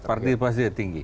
partisipasi juga tinggi